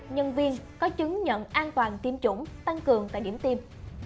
tăng cường tại điểm tiêm